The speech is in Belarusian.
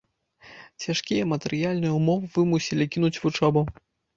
Цяжкія матэрыяльныя ўмовы вымусілі кінуць вучобу.